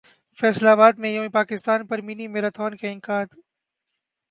فیصل ابادمیںیوم پاکستان پر mini marathon کا انعقاد